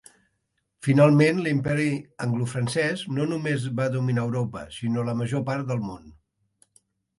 Finalment, l'imperi anglofrancès no només va dominar Europa, sinó la major part del món.